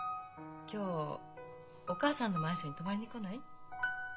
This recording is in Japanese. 今日お母さんのマンションに泊まりに来ない？